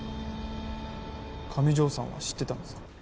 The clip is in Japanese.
上條さんは知ってたんですか？